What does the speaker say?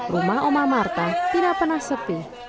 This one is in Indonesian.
rumah oma marta tidak pernah sepi